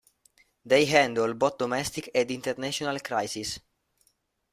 They handle both domestic and international crises.